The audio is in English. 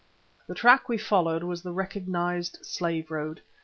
The track we followed was the recognised slave road.